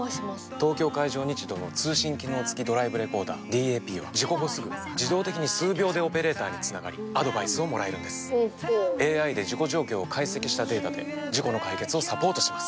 東京海上日動の通信機能付きドライブレコーダーＤＡＰは事故後すぐ自動的に数秒でオペレーターにつながりアドバイスをもらえるんですＡＩで事故状況を解析したデータで事故の解決をサポートします